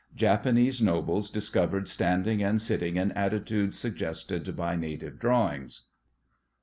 Japanese nobles discovered standing and sitting in attitudes suggested by native drawings.